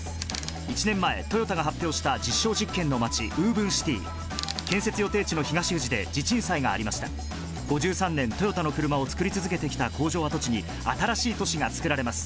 １年前トヨタが発表した実証実験の街ＷｏｖｅｎＣｉｔｙ建設予定地の東富士で地鎮祭がありました５３年トヨタのクルマを作り続けてきた工場跡地に新しい都市がつくられます